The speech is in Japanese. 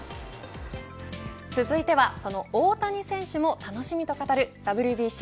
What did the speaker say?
続いてはその大谷選手も楽しみと語るＷＢＣ。